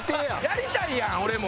やりたいやん俺も。